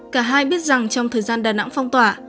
cả hai biết rằng trong thời gian đà nẵng phong tỏa